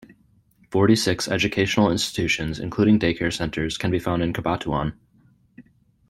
Forty-six educational institutions, including day care centers, can be found in Cabatuan.